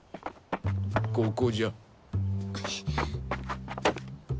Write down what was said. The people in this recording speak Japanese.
ここじゃ。